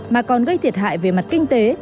mà còn gây thiệt hại về mặt kinh tế